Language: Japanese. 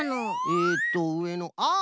えっとうえのああああ！